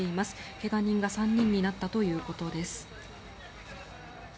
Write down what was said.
怪我人が３人になったということです。